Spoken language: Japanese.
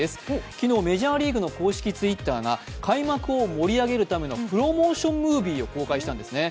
昨日メジャーリーグの公式Ｔｗｉｔｔｅｒが開幕を盛り上げるためのプロモーションムービーを公開したんですね。